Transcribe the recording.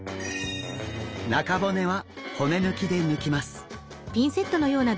中骨は骨抜きで抜きます。